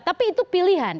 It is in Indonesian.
tapi itu pilihan